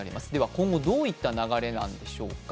今後どういった流れなんでしょうか。